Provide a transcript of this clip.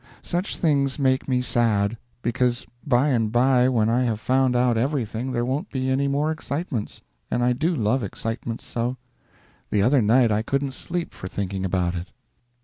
Such things make me sad; because by and by when I have found out everything there won't be any more excitements, and I do love excitements so! The other night I couldn't sleep for thinking about it.